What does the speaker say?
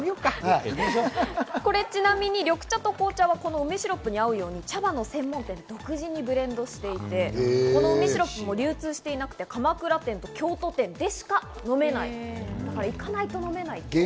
これちなみに緑茶と紅茶は梅シロップに合うように茶葉の専門店で独自にブレンドしていて、梅シロップも流通していなくて、鎌倉店と京都店でしか飲めない、行かないと飲めないんです。